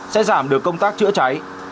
sẽ giảm được công tác chữa cháy